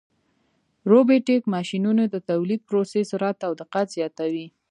روبوټیک ماشینونه د تولیدي پروسو سرعت او دقت زیاتوي.